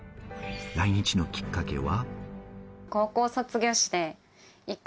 来日のきっかけは。